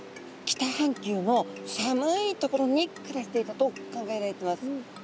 北半球の寒い所に暮らしていたと考えられてます。